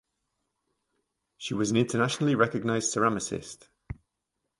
She was an internationally recognized ceramicist.